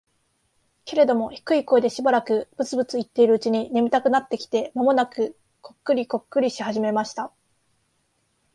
けれども、低い声でしばらくブツブツ言っているうちに、眠たくなってきて、間もなくコックリコックリし始めました。